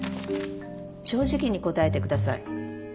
正直に答えてください。